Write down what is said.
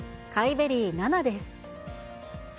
ベリー７です。